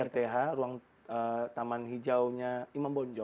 di rth ruang taman hijau nya imam bonjol